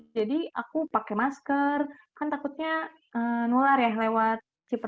jadi aku pakai masker kan takutnya nular ya lewat